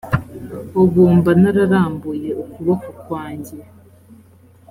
ubu mba nararambuye ukuboko kwanjye